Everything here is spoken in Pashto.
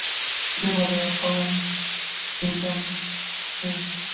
ژبه د یو قوم پېژند دی.